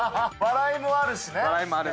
笑いもあるしね